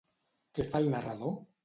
Què fa el narrador?